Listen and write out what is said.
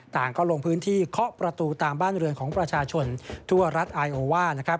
ต่างก็ลงพื้นที่เคาะประตูตามบ้านเรือนของประชาชนทั่วรัฐอายโอว่านะครับ